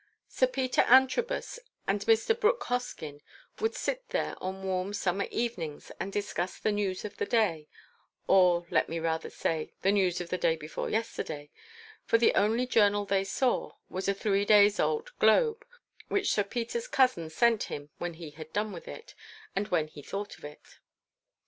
Sir Peter Antrobus and Mr. Brooke Hoskyn would sit there on warm summer evenings and discuss the news of the day—or, let me rather say—the news of the day before yesterday; for the only journal they saw was a three days old "Globe" which Sir Peter's cousin sent him when he had done with it, and when he thought of it.